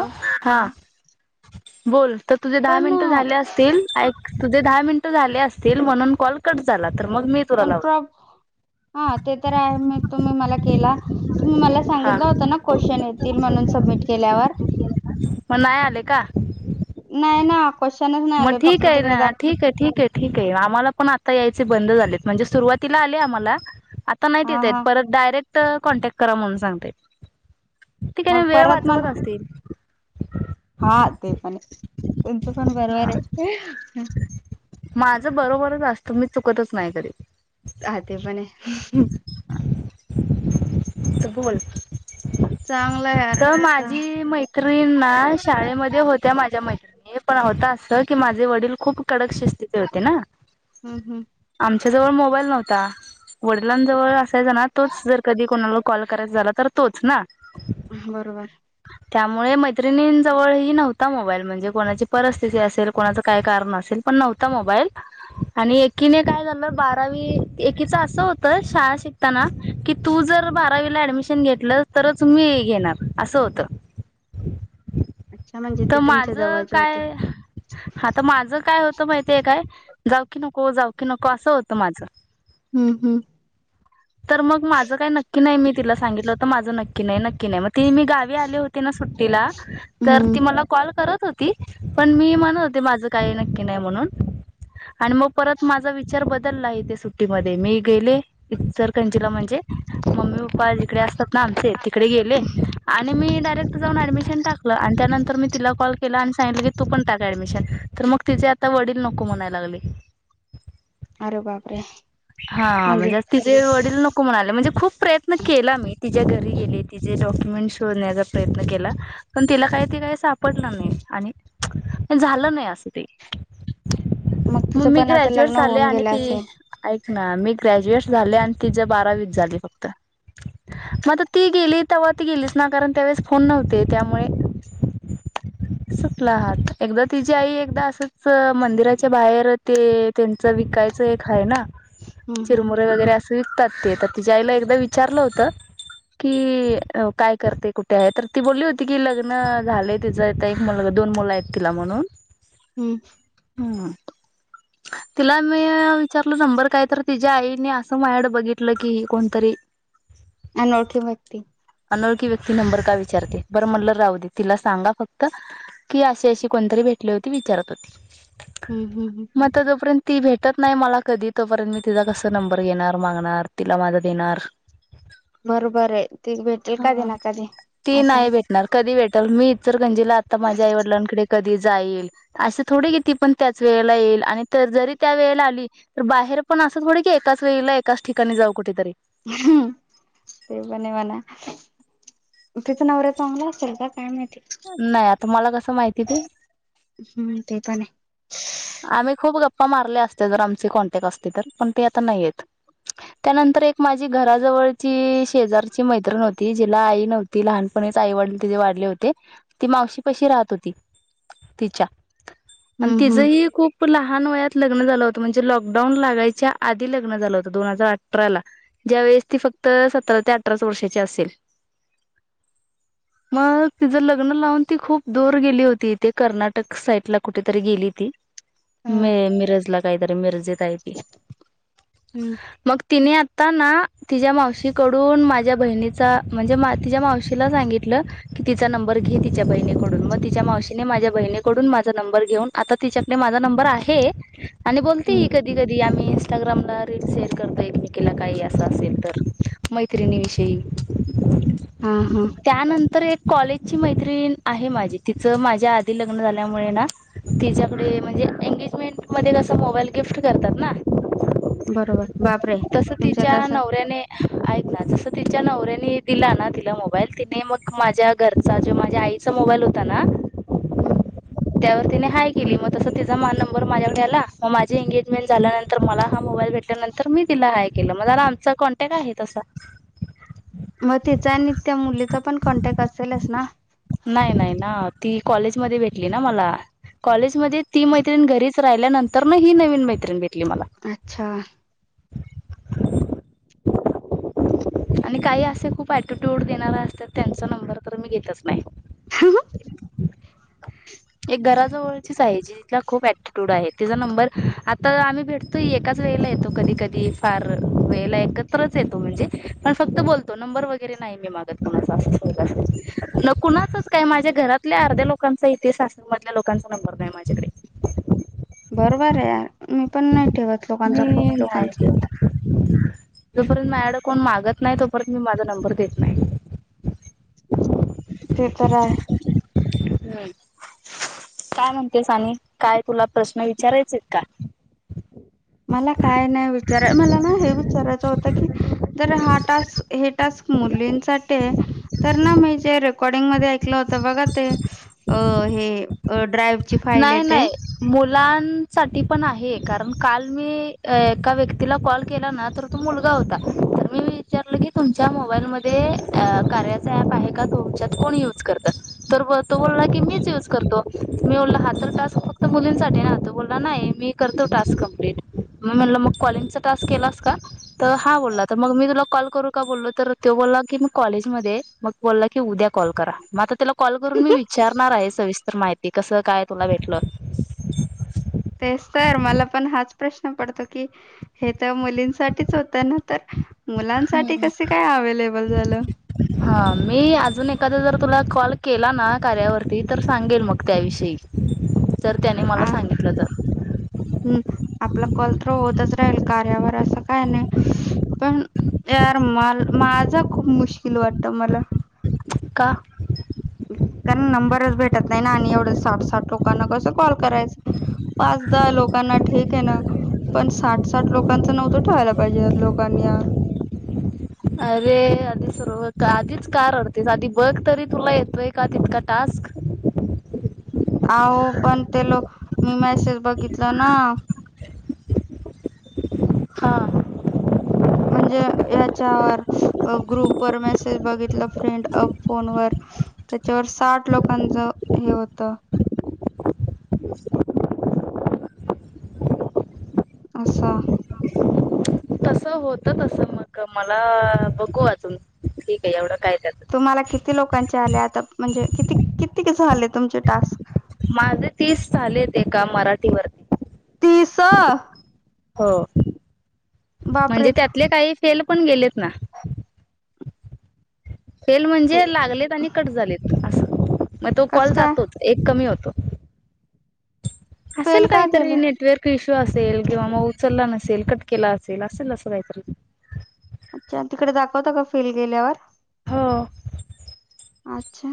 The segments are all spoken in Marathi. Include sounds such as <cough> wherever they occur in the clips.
ॅ हा बोल तर तुझे दहा पण मिनट झाले असतील एक तुझे दहा मिनिट झाले असतील म्हणून कॉल कट झाला तर मग मी तुला पण लावला हा ते तर आहे मी तुम्ही म केला तुम्ही मला हा सांगित होत ना क्वेशन येतील म्हणून सबमिट केल्यावर मग नाही आले का नना मग ठीक आहे ना ठीक आहे ठीक आहे ठीक आहे आम्हाला पण आता यायचे आ हा हा क करा म्हणून सांगतय. मग परत मला हा. ते पण त्यांचं पण बर- - हा रे माझं बरोबरच असत मी चुकतच नाही कधी. अ ते पण ए. तर बोल चांगलं यार तर आता माझी मैत्रिणी ना शाळेमध्ये होत्या माझ्या मैत्रिणी - - पण होता अस की माझे वडील खूप कडक शिस्ती होते ना. हम्म हम्म आम - - च्या जवळ मोबाईल नव्हता. वडिलांजवळ असायचा ना तोच जर कधी कोणाला कॉल करायचा झाला तर तोच ना. बरोबर. त्यामुळे मैत्रिणीं जवळ ही नव्हता मोबाईल म्हणजे कोणाची पर- - स्थिती नसेल कोणाचं काही कारण असेल पण नव्हता मोबाईल. आणि एकीने काय झालं बारावी एकीच असं होत शाळा शिकताना की, तू जर- - बारावी ऍडमिशन घेतलं तर तुम् घेणार अस होत. अच्छा म्हणजे तर ते तुमच्या माझं जवळचे होते काय - - हा तर माझं काय होतं माहितीय काय जाऊ की नको जाऊ की नको असं होतं माझं. हम्म हम्म तर मग माझ काही नक्की नाही मी तिला सांगितलं माझं नक्की नाही, नक्की नाही. मग ती मी गावी आली होती ना सुट्टीला तर हम्म ती मला कॉल करत हो - - ती पण मी म्हणत होते माझं काही नक्की नाही म्हणून. आणि मग परत माझा विचार बदलला इथे सुट्टीमध्ये. मी गेले. इचलकंजीला म्हणजे मम्मी पप्पा जिकडे असतात ना आमचे तिकडे गेले आणि मी- - मी डारेट जाऊन ऍडमशन टाकलं. त्यांतर म तिला कॉल केला आणि सांगलं की ॲडमिशन तर मग तिचे आता वडील नको म्हणा लागले. अरे बापरे! हा म्हणजे आ तिचेे वडील नको म्हणाले. म्हणजे खूप प्रयत्न केला मी त तिच्या घरी गेले तिचेे डॉक्युमेंट शोधण्याचा प्रयत्न केला पण तिला काही ते काही सापडलं नाही. आणि झालं नाही असं ते. मग तुझं मम्मी पण आता ग्रॅज्युएट लग्न झाले होऊन आणि गेलं ती असेल ना मी ग्रॅज्युएट झाले आणि तिज बारावीच झाली फक्त. मग आता ती गेली तेव्हा ती गेलीच ना कारण त्यावेळेस फोन नव्हते त्यामुळे - - <inaudible> ात एक तिची आई एकदा असंच मंदिराच्या बाहेर ते त्यांच विकायचं य हेना हम्म हम्म चिरमुरे वगैरे अस विकतात ते तर तिच्याईला एकदा विचारलं होत. कि काय करते? कुठे आहे? तर ती बोलली होती की लग्न झालय तिचं एक मुलगा - - दोन मुल आहेत तिला म्हणून. हम्म. तिला मी विचारल शंभर काय. तर तिच्या्या आईने असं माया कड बघितलं की कोणतरी. अनोळखी व्यक्ती. अनोळखी व्यक्ती नंबर का विचारते. बरं म्हणल राहूदे. तिला सांगा फक्त की अशी अशी कोणतरी भे टली होती. विचारत होती. हम्म हम्म हम्म. मग जो पर्यंत ती भेटत - - नाही मला कधी तोपर्यंत मी तिचा कस नंबर घेणार मागणार तिला माझा देणार. बरोबर आहे ती भेटेल कधी हा ना कधी. ती असा नाही भेटणार. कधी भेटाल मी इचलकरंजीला आता माझ्या आई वडीलांकडे. कधी जाईल असं थोडी ती पन त्याचवेळी येईन. जरी त्यावेळी आली, तरी बाहेर- - पण असं थोडी की एकाच वेळे एकाच ठिकाणी जाऊ कुठेतरी. ते पन हे म्हणा. तिचा नवरा चांगला असेल का? काय माहित. नाही आता मला कसं माहिती ते हम्म. ते पण यं. आम्ही खूप गप्पा मारले असते. जर आमची कॉन्टॅक्ट असते तर पण ते आता नाहीत... त्यानंतर एक माझी घराजवळची शेजारची मैत्रिण हॊती. जिला आई नव्हती लहानपणी.... आई वडील तिचे वारले होते. ती मावशी पशी राहत होती. तिच्या... आणि हम्म हम्म तिचंही खूप.... लहान वयात लग्न झालं होतं. म्हणजे लॉकडाऊन लागायच्या आधी लग्न झालं होतं. दोन हजार अठराला... ज्या वेळेस ती फक्त सतरा ते अठराच वर्षाची असेल.... मग तिचं लग्न लावून ती खूप दूर गेली होती. ते कर्नाटक साईड ला कुठेतरी गेली... हम्म मी मिरज ला काय तरी मिरजेत.... हम्म मग काय ती आता... आता ना तिच्या मावशीकडून माझ्या बहिणीचा म्हणजे तिच्या मावशीला सांगितलं.... की तिचा नंबर घे. तिच्या बहिणीकडून मग तिच्या मावशीने माझ्या बहिणीकडून माझा नंबर घेऊन.... आता तिच्याकडे माझा नंबर आहे आणि बोलते हम्म कधी कधी आम्ही.... इस्टाग्रामला रील शेअर करता एकमेकीला काही असं असेल तर मैत्रिणी विषयी.... हा हा त्यानंतर एक.... कॉलेजची मैत्रीण आहे माझी तिचं माझ्या आधी लग्न झाल्यामुळे ना.... तिच्याकडे म्हणजे एंग्जमेंट मध्ये कस मोबाईल गिफ्ट करतात ना.... बरोबर बापरे तस तुमच्यात तिच्या असं नवऱ्याने ऐकना जस तिच्या नवऱ्याने... आणि दिला ना तिला मोबाईल तिने मग माझ्या घरचा जो माझ्या आईचा मोबाईल होता ना.... हम्म.... त्यावर तिने हय केली मग तस तिचा मा नंबर माझ्याकडे आला मग माझी एंग्जमेंट झाल्यानंतर मला... हा मोबाईल भेटल्यानंतर मी तिला हाय केलं. मग झाला आमचा कॉन्टॅक्ट आहे तसा... मग तिचा आणि त्या मुलीचा पण कॉन्टॅक्ट असेलच ना.... नाही नाही ना ती कॉलेजमध्ये भेटली ना मला कॉलेजमध्ये ती मैत्रिण घरीच.... राहिल्या नंतर ना ही नवीन मैत्रीण भेटली.... मला अच्छा! आणि काही असे खूप अटिट्यूड देणारे असतात त्यांचा नंबर तर मी घेतच नाही.... हम.... एक घराजवळचीच आहे जिला खूप ऍटीट्यूड आहे... तिचा नंबर आता आम्ही भेटतो एकाच वेळेला येतो कधी कधी फार वेळेला एकत्रच.... हा फक्त बोलतो म्हणजे नंबर वैगरे नाही मागत कोणच.... माझ्या घरातल्या अर्ध्या लोकांचा इथे सासरचा मधल्या लोकांचा नंबर नाही माझ्याकडे.... बरोबर आहे. मी पण नाही ठेवत लोकांचा खूप मी नाही लोकांचा... देत जोपर्यंत माझकडे कोण मागत नाही तोपर्यंत मी माझा नंबर देत नाही... पेपर आहे... हम्..... काय म्हणते सानी काय तुला प्रश्न विचारायचे आहेत का? मला काय नाही विचार. मला ना हे विचारायच होत की जर हा टास् हे टास्क.... े <unintelligible> हो बघ ते ड्राईवची फाईल आहे ते... साठी पण आहे... कारण काल मी एका व्यक्तीला कॉल केला ना तर तो मुलगा होता तर मी विचारलं... की तुमच्या मोबाईल म कार्याच ऍप आहे का तुमच्यात कोण युज... तर तो बोलला की मीच युज करतो मी बोलला हा तर टास्क फक्त मुलींसाठी न... बोला नाही मी करतो टास्क कमप्लीट... मग म्हणलं मग कॉलिंगचा टास्क केलास का तर हा बोलला तर मग मी तुला कॉल करू का बोललो तर त ते बोला बोला की म कॉलेज मध्ये मग बोलला की उद्या कॉल करा... मग आता त्याला कॉल करून मी विचारणार आहे सविस्तर माहिती कसं काय... तुला भेटल... ते तर मला पण हाच प्रश्न पडतो की हे तर मुलींसाठीच होतं ना तर... मुलांसाठी कसे काय अवेलेबल झालं हा मी अजून एखाद जर.. तुला कॉल केला ना कार्यावरती तर सांगेल मग त्याविषयी तरर त्याने मला हा सांगितलं तर आपलं कलत्र होतच राहील कार्यावर असं काय नाही पण यार म माझा खूप मुश्किल वाटत मला का कारण नंबरच भेटत नाही ना आणि एवढं साठ साठ लोकांना कस कॉल करायच लोकांना ठीक आहे ना पण साठ साठ लोकांच नव्हतं ठेवायला पाहिजे लोकांनी यार <inaudible> अरे आधी सर्व आधीच कार अडतेस आधी बघ तरी तुला येतोय का तितका टास्क <inaudible> अहो पण त्याल मी मेसेज बघितलं ना हांा म्हणजे याच्यावर ग्रुप व मेसेज बघितलं फ्रेंड अ फोनवर त्याच्यावर साठ लोकांच हे होत असछा तसं होत तसं मग मला बघू अजून ठीक आहे एवढा तुम्हाला किती लोकांचे आले आता म्हणजे किती किती कस झाले तुमचे टास्क माझे तीस ले का मराठीवररती तीस हो म्हणजे बापरे त्यातले काही फेल पण गेलेत ना फेल ते म्हणजे लागलेत आणि कट झालेत असं मग तो कस कॉल काय जातोच एक कमी होतो असेल फेल का काहीतरी गेले नेटवर्क इश्यू असेल किंवा मग उचलला नसेल असेल कट केला असेल असेल असं काहीतरी अच्छा तिकडे दाखवता का फीलल गेल्यावर हो अच्छा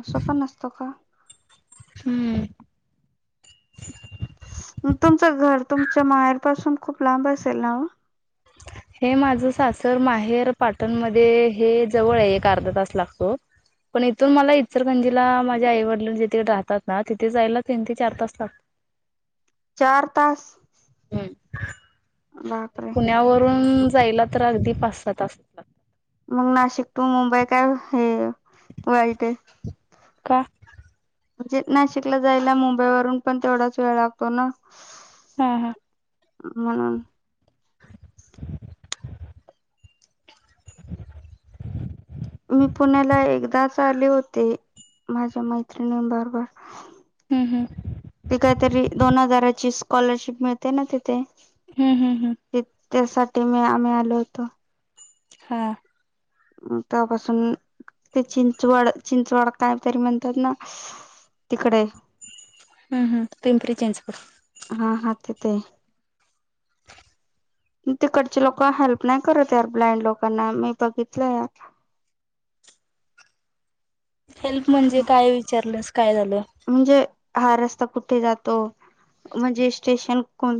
असं पण असतं का हम्म तुमचं घर तुमच्या माहेर पासून खूप लांब असेल ना <inaudible> हे माझं सासर माहेर पाटणमध्येध्ये हे जवळ आहे एक अर्धा तास लागतो पण इथून मला इचरखंजीला माझ्या आई वडीलल जिथे राहतात ना तिथे जायला तीन ते चार तास लागतात चार तास हम्म. बा <inaudible> पुण्यावरून जायला तर अगदी पाच स तास लागतात मग नाशिक टू मुंबई काय हे वाईट का म्हणजे नाशिकला जायला मुंबई वरून पण तेवढाच वेळ लागतो ना हा हा हम् <unintelligible> मी पुण्याला एकदाच आले होते माझ्या मैत्रिणी बरोबर हम्म हम्म ती काहीतरी दोन हजाराची स्कॉलरशिप मिळते ना ते हम्म हम्म हम्म त्यांसाठी मी आम्ही आलो होतो हा त्यापासून ते चिंचवड चिंचवड काय तरी म्हणतात ना तिकडे हम्म हम् पिंपरी चिंचवड हा हा तिथे <unintelligible> तिकडचे लोक हेल्प नाही करत यार ब्लाइंड लोकांना मी बघितलं यार <unintelligible> हेल्प म्हणजे काय विचारलंस काय झाले म्हणजे हा रस्ता कुठे जातो म्हणजे स्टेशन कोण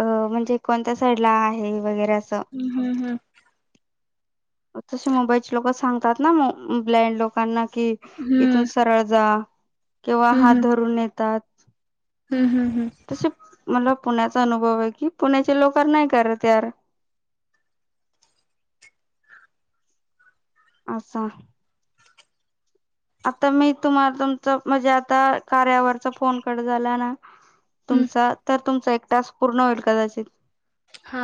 म्हणजे कोणत्या साईड ला आहे वगैरे असं हम् हम्म हम् तसे मुंबईचे लोक सांगतात ना ब्लाइंड लोकांना कि इथून हम्म सरळ जा किंवा हम्म हात हम्म धरून नेतात हम्म हम्म हम्म पुण्याचा अनुभव आहे कि पुण्याचे लोके नाही करत यार <unintelligible> अस आता मी तुम्हाला तुमच म्हणजे आता कार्यावरचा फोन कट झाला ना हम्म तुमचा तर तुमचा एक टास्क पूर्ण होईल कदाचित हा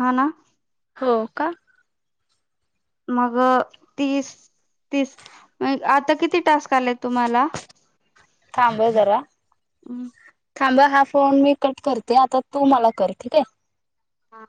हा ना हो का मग तीस तीस आता किती टास्क ल तुम्हाला <inaudible> थांबा हा फोन मी कट करते आता तू मला कर ठीक आहे हा